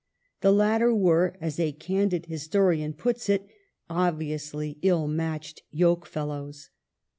The latter were, as a candid historian puts it, "obviously ill matched yoke fellows".